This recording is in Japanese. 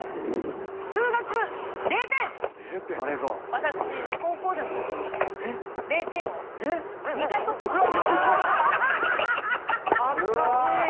私、高校生のときに０点を２回とてます。